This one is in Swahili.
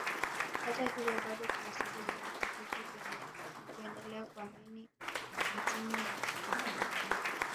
Hata hivyo bado kuna sehemu au vijiji vyenye kuendelea kuamini mizimu na ushirikina